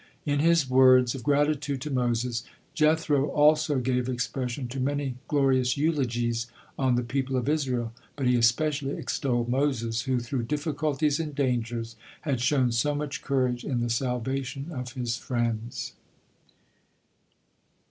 In his words of gratitude to Moses, Jethro also gave expression to many glorious eulogies on the people of Israel, but he especially extolled Moses, who through difficulties and dangers had shown so much courage in the salvation of his friends.